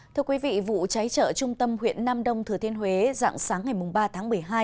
thưa quý vị vụ cháy chợ trung tâm huyện nam đông thừa thiên huế dạng sáng ngày ba tháng một mươi hai